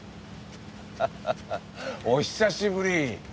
ハハハお久しぶり。